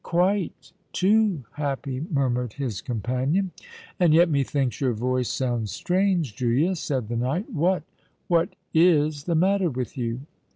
"Quite—too happy!" murmured his companion. "And yet—methinks your voice sounds strange, Julia," said the knight. "What—what is the matter with you?"